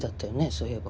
そういえば。